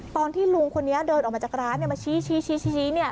ตอนที่ลุงคนนี้เดินออกมาจากร้านมาชี้เนี่ย